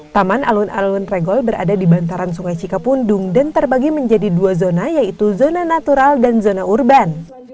taman alun alun regol berada di bantaran sungai cikapundung dan terbagi menjadi dua zona yaitu zona natural dan zona urban